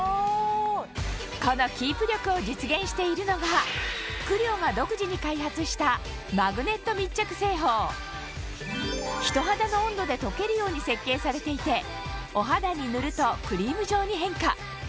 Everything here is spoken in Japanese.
このキープ力を実現しているのがＣＬＩＯが独自に開発した人肌の温度で溶けるように設計されていてお肌に塗るとクリーム状に変化